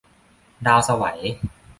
ดาวไสว